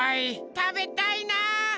たべたいな！